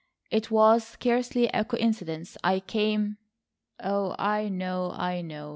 "It was scarcely a coincidence. I came—" "Oh, I know, I know.